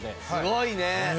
すごいね！